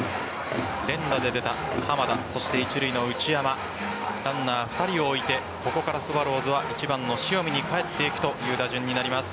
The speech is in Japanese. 連打で出た濱田そして一塁の内山ランナー２人を置いてここからスワローズは１番の塩見に返っていくという打順になります。